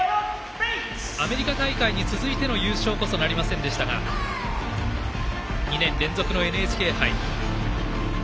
アメリカ大会に続いての優勝こそなりませんでしたが２年連続のＮＨＫ杯。